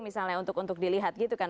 misalnya untuk dilihat gitu kan